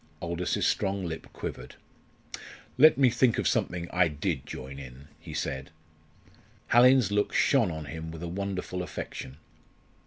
Aldous's strong lip quivered. "Let me think of something I did join in," he said. Hallin's look shone on him with a wonderful affection.